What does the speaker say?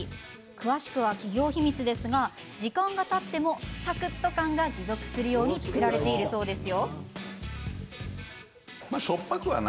詳しくは企業秘密ですが時間がたってもサクッと感が持続するように作られているそうです。